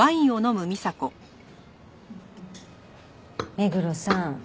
目黒さん。